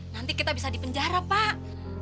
nanti kita bisa di penjara pak